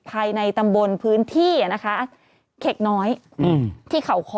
ภายในตำบลพื้นที่นะคะเข็กน้อยที่เขาคอ